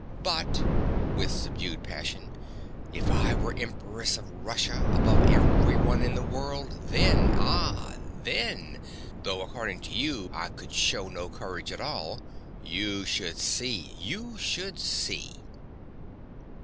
But (with subdued passion) if I were Empress of Russia, above everyone in the world, then—ah, then, though according to you I could shew no courage at all; you should see, you should see.